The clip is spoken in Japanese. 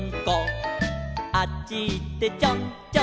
「あっちいってちょんちょん」